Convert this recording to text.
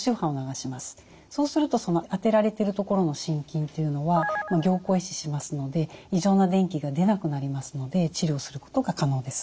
そうすると当てられてる所の心筋というのは凝固壊死しますので異常な電気が出なくなりますので治療することが可能です。